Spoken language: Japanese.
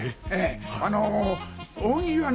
あの大喜利はね